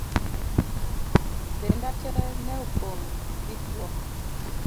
Denda tee ne opong' gi buok.